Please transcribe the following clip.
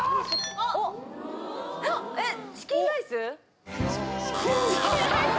あっえっ「チキンライス」